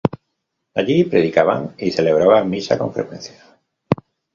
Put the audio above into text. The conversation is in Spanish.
Allí predicaban y celebraban misa con frecuencia.